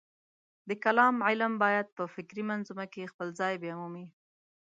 د کلام علم باید په فکري منظومه کې خپل ځای بیامومي.